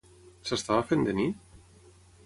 S'estava fent de nit?